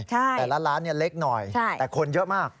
แต่ละร้านเล็กหน่อยแต่คนเยอะมาก